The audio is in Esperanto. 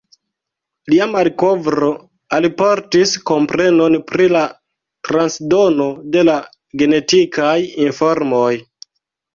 Lia malkovro alportis komprenon pri la transdono de la genetikaj informoj.